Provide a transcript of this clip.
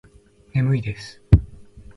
眠いです